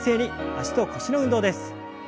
脚と腰の運動です。